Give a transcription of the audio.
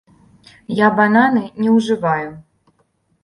Я бананы не ўжываю.